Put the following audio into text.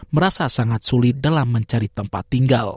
merasa sangat sulit dalam mencari tempat tinggal